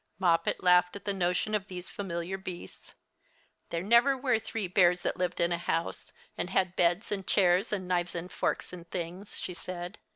Moppet laughed at the notion of those familiar beasts. "There never were three bears that lived in a house, and had beds and chairs and knives and forks and things," she said.